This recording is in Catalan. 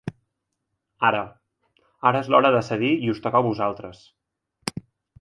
Ara, ara es l’hora de cedir i us toca a vosaltres.